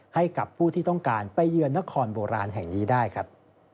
ให้กับผู้ที่ต้องการไปเยือนนครโบราณแห่งนี้ได้ครับ